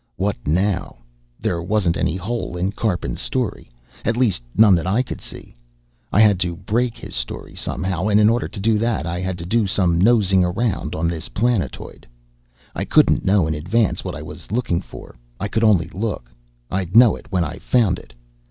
What now? There wasn't any hole in Karpin's story, at least none that I could see. I had to break his story somehow, and in order to do that I had to do some nosing around on this planetoid. I couldn't know in advance what I was looking for, I could only look. I'd know it when I found it.